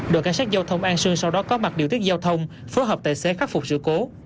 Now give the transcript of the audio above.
đội cảnh sát giao thông an sương sau đó có mặt điều tiết giao thông phối hợp tài xế khắc phục sự cố